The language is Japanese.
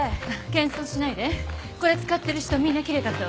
これ使ってる人みんな奇麗だったわ。